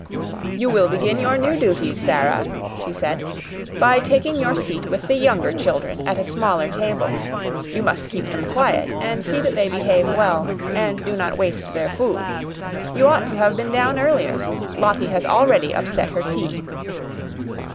"You will begin your new duties, Sara," she said, "by taking your seat with the younger children at a smaller table. You must keep them quiet, and see that they behave well and do not waste their food. You ought to have been down earlier. Lottie has already upset her tea."